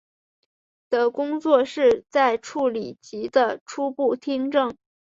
的工作是在处理及的初步听证。